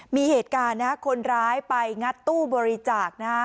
มีเหตุการณ์นะคนร้ายไปงัดตู้บริจาคนะฮะ